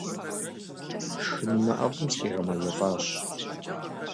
Шхынымэ ӏэфӏым сыкъигъэмэжэлӏащ.